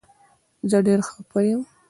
زه ډير خفه يم